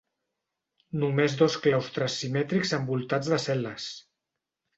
Només dos claustres simètrics envoltats de cel·les.